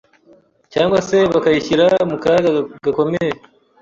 cyangwa se bakayishyira mu kaga gakomeye